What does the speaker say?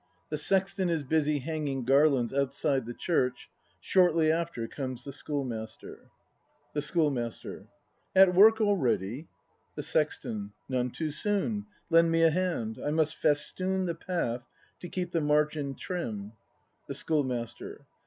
The Sexton is busy hanging garlands outside the Church; shortly after comes the Schoolmaster. The Schoolmastee. At work already ? The Sexton. None too soon. Lend me a hand; I must festoon The path, to keep the march in trim. The Schoolmaster.